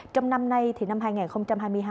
trong năm nay năm hai nghìn hai mươi hai